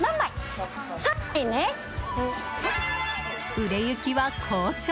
売れ行きは好調！